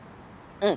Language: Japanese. うん。